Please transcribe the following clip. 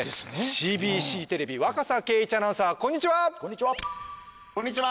ＣＢＣテレビ若狭敬一アナウンサーこんにちは！